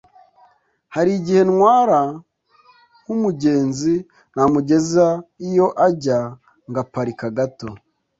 Hari igihe ntwara nk’umugenzi namugeza iyo ajya ngaparika gato